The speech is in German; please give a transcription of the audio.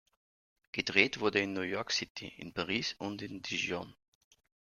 Gedreht wurde in New York City, in Paris und in Dijon.